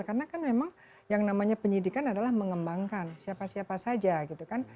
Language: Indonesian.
karena kan memang yang namanya penyidikan adalah mengembangkan siapa siapa saja gitu kan